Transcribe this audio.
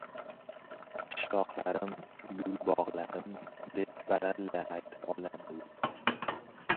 qishloqlarim — gul-bog‘larim, deb baralla ayta olamiz...